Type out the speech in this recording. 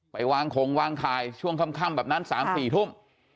ไปวางคงวางขายช่วงค่ำแบบนั้น๓๔ทุ่ม